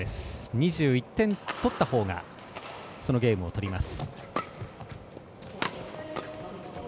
２１点取ったほうがそのゲームをとります。